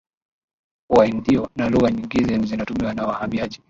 Waindio na lugha nyingine zinatumiwa na wahamiaji